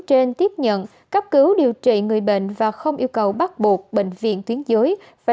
trên tiếp nhận cấp cứu điều trị người bệnh và không yêu cầu bắt buộc bệnh viện tuyến dưới phải